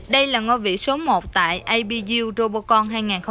đây là ngôi vị số một tại abu robocon hai nghìn một mươi tám